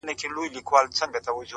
نیک عمل د خلکو په یاد پاتې کېږي